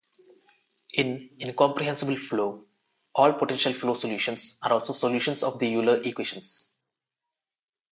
In incompressible flow, all potential flow solutions are also solutions of the Euler equations.